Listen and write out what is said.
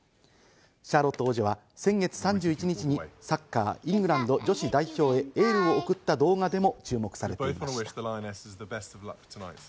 シャーロット王女は先月３１日にサッカー・イングランド女子代表へエールを送った動画でも注目されていました。